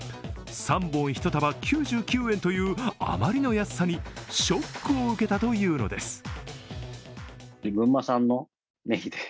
３本１束９９円というあまりの安さにショックを受けたというのです。